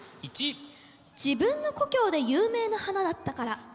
自分の故郷で有名な花だったから。